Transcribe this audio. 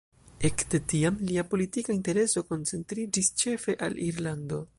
Ekde tiam lia politika intereso koncentriĝis ĉefe al Irlando.